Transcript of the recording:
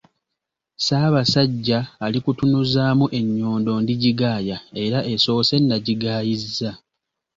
“Ssaabasajja alikutunuzaamu ennyondo ndigigaaya era esoose nagigaayizza.